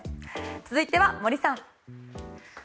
続いては森さん。